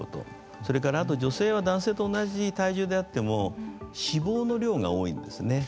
それからあと女性は男性と同じ体重であっても脂肪の量が多いんですね。